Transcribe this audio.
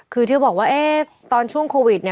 คือเธอบอกว่าตอนช่วงโควิดเนย